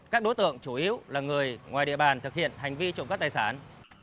các đối tượng chủ yếu là người ngoài địa bàn thực hiện hành vi trộm cắp tài sản